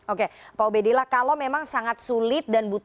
oke pak obedillah kalau memang sangat sulit dan butuhkan